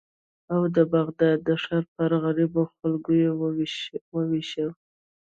او د بغداد د ښار پر غریبو خلکو یې ووېشل.